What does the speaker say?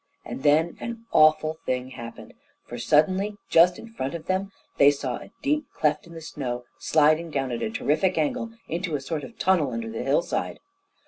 And then an awful thing happened, for suddenly, just in front of them, they saw a deep cleft in the snow sliding down, at a terrific angle, into a sort of tunnel under the hillside.